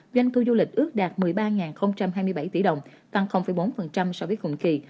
tăng bốn so với cùng kỳ